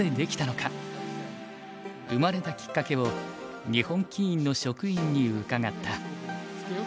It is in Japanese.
生まれたきっかけを日本棋院の職員に伺った。